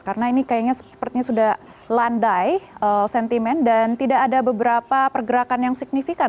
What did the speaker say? karena ini kayaknya sepertinya sudah landai sentimen dan tidak ada beberapa pergerakan yang signifikan